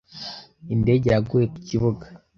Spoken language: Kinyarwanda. Indege yaguye ku Kibuga